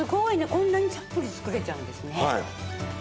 こんなにたっぷり作れちゃうんですね。